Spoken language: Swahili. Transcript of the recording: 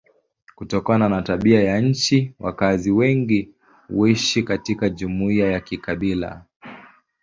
Kutokana na tabia ya nchi wakazi wengi huishi katika jumuiya za kikabila.